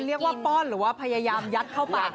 คุณเรียกว่าป้อนหรือว่าพยายามยัดเข้าปาก